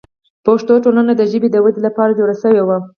پښتو ټولنه د ژبې د ودې لپاره جوړه شوه.